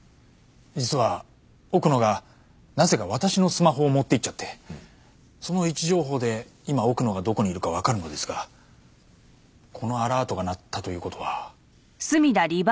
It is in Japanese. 実は奥野がなぜか私のスマホを持って行っちゃってその位置情報で今奥野がどこにいるかわかるのですがこのアラートが鳴ったという事は。